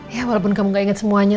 ya walaupun kamu gak ingat semuanya